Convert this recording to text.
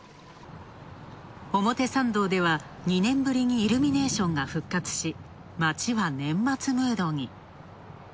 表参道では２年ぶりにイルミネーションが復活し、街は年末ムードに。